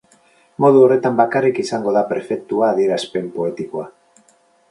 Modu horretan bakarrik izango da perfektua adierazpen poetikoa.